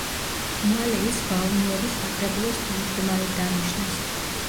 მალე ის ვალმიერის საკრებულოს თავმჯდომარედ დანიშნეს.